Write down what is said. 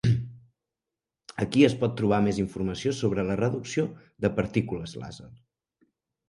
Aquí es pot trobar més informació sobre la reducció de partícules làser.